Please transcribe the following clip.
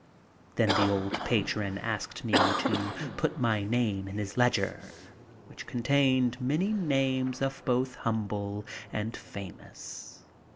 Then the old patron asked me to put my name in his ledger, which contained many names of both humble and famous.